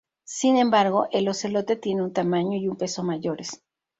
Sin embargo, el ocelote tiene un tamaño y un peso mayores.